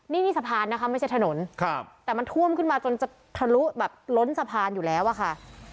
นี่นี่สะพานนะคะไม่ใช่ถนนครับแต่มันท่วมขึ้นมาจนจะทะลุแบบล้นสะพานอยู่แล้วอะค่ะ